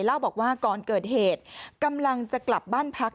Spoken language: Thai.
เล่าบอกว่าก่อนเกิดเหตุกำลังจะกลับบ้านพัก